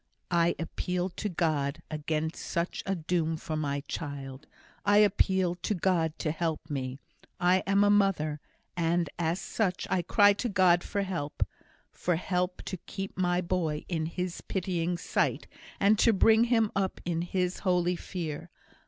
"I appeal to God against such a doom for my child. I appeal to God to help me. I am a mother, and as such I cry to God for help for help to keep my boy in His pitying sight, and to bring him up in His holy fear.